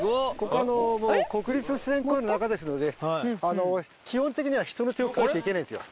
あのもう国立自然公園の中ですのではいあの基本的には人の手を加えてはいけないんですよ